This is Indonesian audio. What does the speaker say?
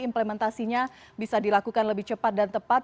implementasinya bisa dilakukan lebih cepat dan tepat